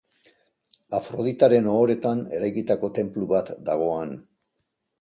Afroditaren ohoretan eraikitako tenplu bat dago han.